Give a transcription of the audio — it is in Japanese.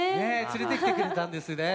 つれてきてくれたんですね。